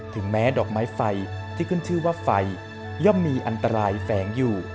แม้ดอกไม้ไฟที่ขึ้นชื่อว่าไฟย่อมมีอันตรายแฝงอยู่